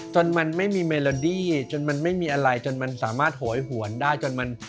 จนมันไม่มีเมลอดี้จนมันไม่มีอะไรจนมันสามารถโหยหวนได้จนมัน